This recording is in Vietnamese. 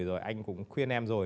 rồi anh cũng khuyên em rồi